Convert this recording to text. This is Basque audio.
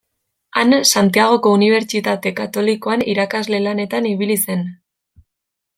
Han Santiagoko Unibertsitate Katolikoan irakasle lanetan ibili zen.